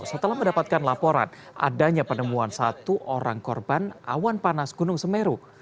setelah mendapatkan laporan adanya penemuan satu orang korban awan panas gunung semeru